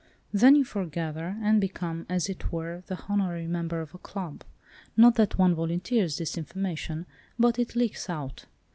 Then you foregather, and become, as it were, the honorary member of a club. Not that one volunteers this information, but it leaks out."